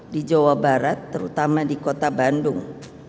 di jawa barat terutama di kota bandung